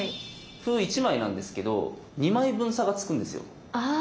歩１枚なんですけど２枚分差がつくんですよ。